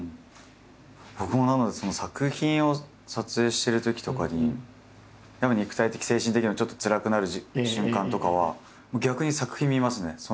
僕もなので作品を撮影してるときとかにやっぱ肉体的精神的にもちょっとつらくなる瞬間とかはもう逆に作品見ますね。